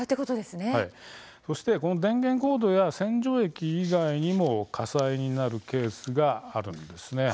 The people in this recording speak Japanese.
そして電源コードや洗浄液以外にも火災になるケースがあります。